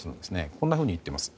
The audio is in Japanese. こんなふうに言っています。